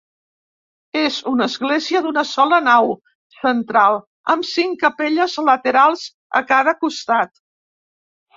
És una església d'una sola nau central amb cinc capelles laterals a cada costat.